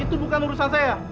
itu bukan urusan saya